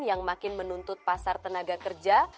yang makin menuntut pasar tenaga kerja